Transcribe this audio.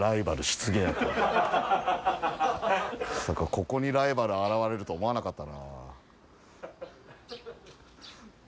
ここにライバル現れると思わなかったな。